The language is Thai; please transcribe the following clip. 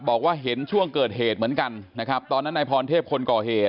บอกว่ามันเห็นช่วงเกิดเหตุเหมือนกัน